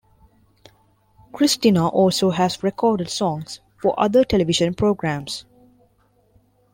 Cristina also has recorded songs for other television programs.